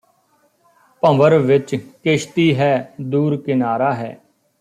ਭੰਵਰ ਵਿੱਚ ਕਿਸ਼ਤੀ ਹੈ ਦੂਰ ਕਿਨਾਰਾ ਹੈ